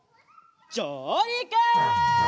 じょうりく！